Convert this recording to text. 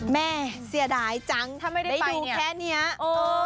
แม่เสียดายจังถ้าไม่ได้ดูแค่เนี้ยโอ้โหโฮ